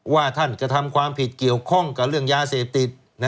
ว่าท่านกระทำความผิดเกี่ยวข้องกับเรื่องยาเสพติด